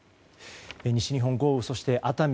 西日本豪雨、そして熱海。